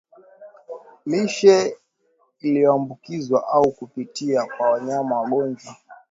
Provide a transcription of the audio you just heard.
lishe iliyoambukizwa au kupitia kwa wanyama wagonjwa